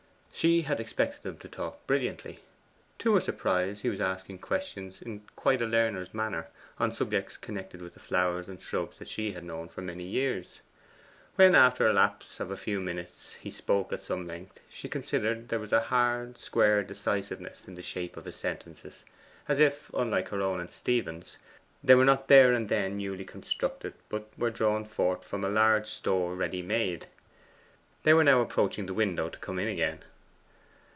She had expected him to talk brilliantly. To her surprise he was asking questions in quite a learner's manner, on subjects connected with the flowers and shrubs that she had known for years. When after the lapse of a few minutes he spoke at some length, she considered there was a hard square decisiveness in the shape of his sentences, as if, unlike her own and Stephen's, they were not there and then newly constructed, but were drawn forth from a large store ready made. They were now approaching the window to come in again.